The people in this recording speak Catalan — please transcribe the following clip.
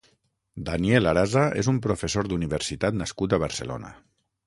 Daniel Arasa és un professor d'universitat nascut a Barcelona.